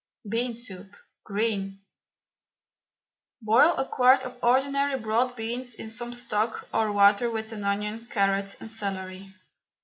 BEAN SOUP, GREEN. Boil a quart of ordinary broad beans in some stock or water with an onion, carrot and celery.